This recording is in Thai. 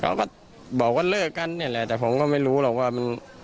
เขาก็บอกว่าเลิกกันแต่ผมก็ไม่รู้หรอกว่า